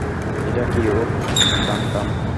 এটা কি, উহ, বান্টাম?